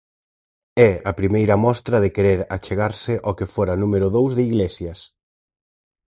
É a primeira mostra de querer achegarse ao que fora número dous de Iglesias.